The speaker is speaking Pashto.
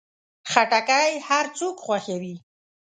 خټکی هر څوک خوښوي.